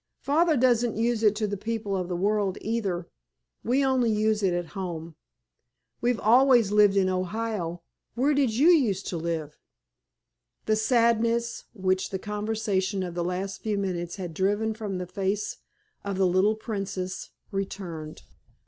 Father doesn't use it to people of the world, either; we only use it at home. We've always lived in Ohio. Where did you used to live?" The sadness which the conversation of the last few minutes had driven from the face of the little "Princess" returned.